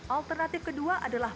alternatif kedua adalah